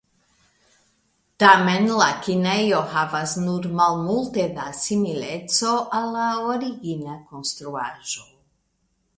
Tamen la kinejo havas nur malmulte da simileco al la origina konstruaĵo.